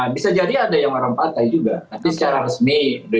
bisa jadi ada yang merampas juga tapi secara resmi